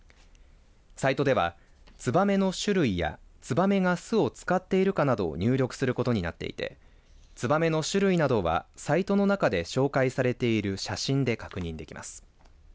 サイトでは、ツバメの種類やツバメが巣を使っているかなどを入力することになっていてツバメの種類などはサイトの中で紹介されている写真で確認できます。